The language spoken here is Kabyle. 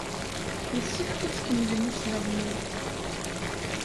Yessefk ad tkemmlem asleɣmu.